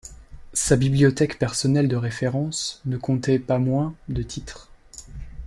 Sa bibliothèque personnelle de référence ne comptait pas moins de titres.